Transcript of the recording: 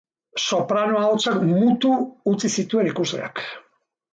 Soprano ahotsak mutu utzi zituen ikusleak.